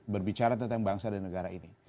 berbicara tentang bangsa dan negara ini